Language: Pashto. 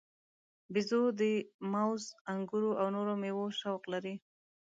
بیزو د موز، انګورو او نورو میوو شوق لري.